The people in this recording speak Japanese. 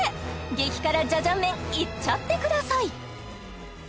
激辛ジャジャン麺いっちゃってください